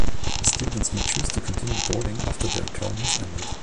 Students may choose to continue boarding after their term has ended.